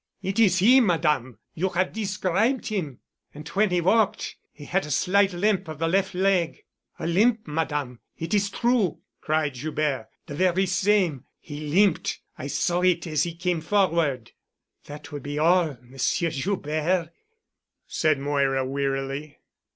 "It is he, Madame! You have described him——" "And when he walked he had a slight limp of the left leg——" "A limp, Madame. It is true," cried Joubert, "the very same. He limped. I saw it as he came forward——" "That will be all, Monsieur Joubert," said Moira wearily.